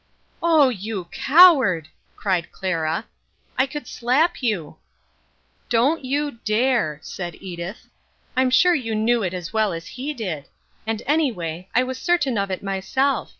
"Oh, you coward!" cried Clara. "I could slap you." "Don't you dare," said Edith. "I'm sure you knew it as well as he did. And anyway, I was certain of it myself.